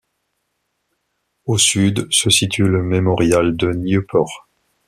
Au sud se situe le Memorial de Nieuport.